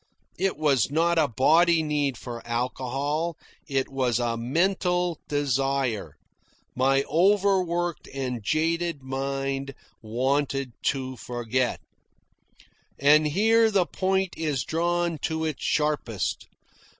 It was not a body need for alcohol. It was a mental desire. My over worked and jaded mind wanted to forget. And here the point is drawn to its sharpest.